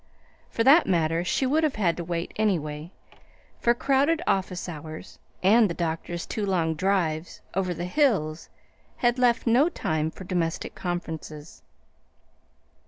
For that matter, she would have had to wait, anyway, for crowded office hours, and the doctor's two long drives over the hills had left no time for domestic conferences.